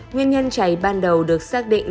nguyên nhân cháy ban đầu được xác định